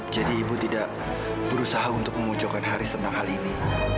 jadi ibu tidak berusaha untuk mengujungkan haris tentang hal ini